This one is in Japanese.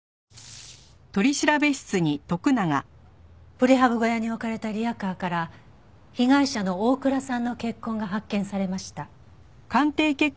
プレハブ小屋に置かれたリヤカーから被害者の大倉さんの血痕が発見されました。